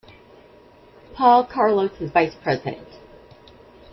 Paul Carlos is vice president.